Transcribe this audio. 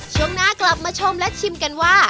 ช่วงหน้ากลับมาชมและชิมกันว่า